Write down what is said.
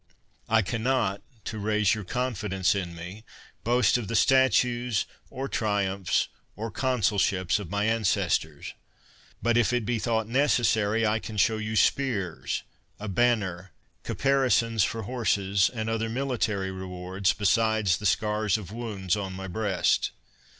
I can not, to raise your conjSdence in me, boast of the statues, or triumphs, or consulships of my ancestors ; but, if it be thought necessary, I can show you spears, a banner, caparisons for horses, and other mili tary rewards, besides the scars of wounds on my breast.